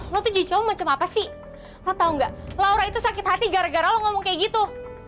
lo tuh macam apa sih lo tau gak laura itu sakit hati gara gara lo ngomong kayak gitu